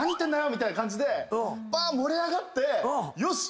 みたいな感じで盛り上がってよし！